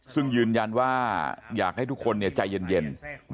ซึ่งยืนยันว่าอยากให้ทุกคนใจเย็น